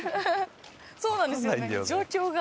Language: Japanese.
そうなんですよね状況が。